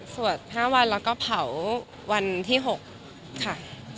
สวด๕วันแล้วก็เผาวันที่๖ค่ะ